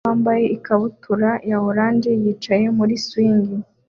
Umwana muto wambaye ikabutura ya orange yicaye muri swing